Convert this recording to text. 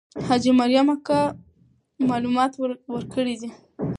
حاجي مریم اکا معلومات ورکړي دي.